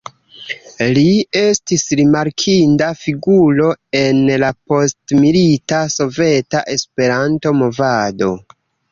Li estis rimarkinda figuro en la postmilita soveta Esperanto-movado.